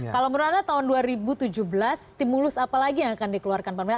kalau menurut anda tahun dua ribu tujuh belas stimulus apa lagi yang akan dikeluarkan pemerintah